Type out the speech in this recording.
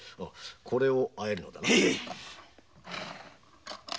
これを和えるのだな？